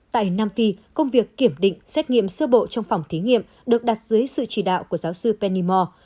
tại nam phi công việc kiểm định xét nghiệm sơ bộ trong phòng thí nghiệm được đặt dưới sự chỉ đạo của giáo sư pennymore